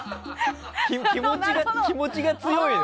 気持ちが強いの？